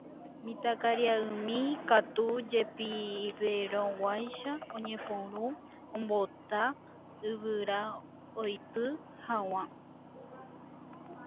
Mitãkaria'ymi katu jepiverõguáicha oñepyrũ ombota yvyra oity hag̃ua.